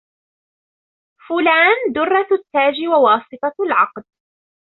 فلان دُرَّةُ التاج وواسطة العقد